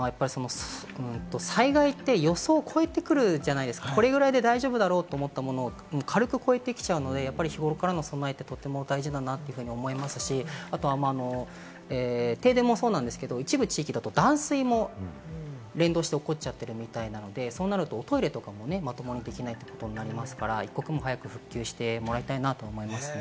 災害って、予想を超えてくるじゃないですか、これぐらいで大丈夫だろうと思ったものを軽く超えてきちゃうので、日頃からの備えがとても大事だなと思いますし、停電もそうなんですけど一部地域だと断水も連動して起こっちゃってるみたいなんで、そうなると、おトイレとかもね、できないということになりますから、一刻も早く復旧してもらいたいなと思いますね。